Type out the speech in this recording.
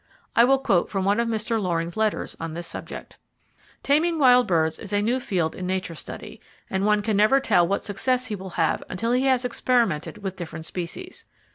I will quote from one of Mr. Loring's letters on this subject: "Taming wild birds is a new field in nature study, and one never can tell what success he will have until he has experimented with different species.